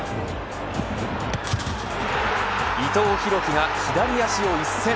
伊藤洋輝が左足を一閃。